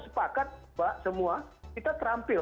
sepakat mbak semua kita terampil